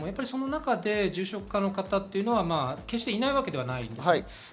その中で重症化の方は決していないわけではないです。